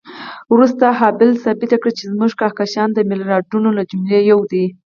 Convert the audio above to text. وروسته هابل ثابته کړه چې زموږ کهکشان د میلیاردونو له جملې یو دی.